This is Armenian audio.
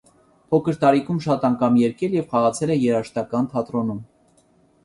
Փոքր տարիքում շատ անգամ երգել և խաղացել է երաժշտական թատրոնում։